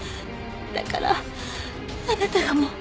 だからあなたがもう。